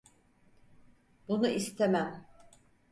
Bunu istemem.